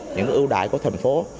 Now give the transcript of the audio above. những ưu đãi của thành phố